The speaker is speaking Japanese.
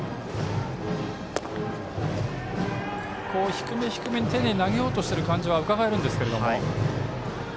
低め低めに丁寧に投げようとしている感じは伺えるんですけども。